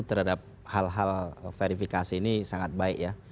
terhadap hal hal verifikasi ini sangat baik ya